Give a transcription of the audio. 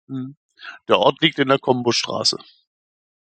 Der Ort liegt in der Kombo-St.